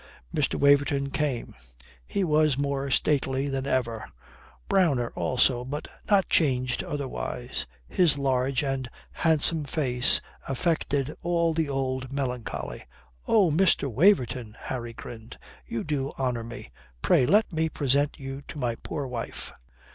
Mr. Waverton came. He was more stately than ever browner also, but not changed otherwise. His large and handsome face affected all the old melancholy. "Oh, Mr. Waverton!" Harry grinned. "You do honour me. Pray let me present you to my poor wife."